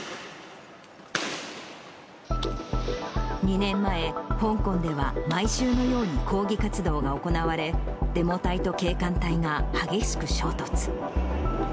２年前、香港では毎週のように抗議活動が行われ、デモ隊と警官隊が激しく衝突。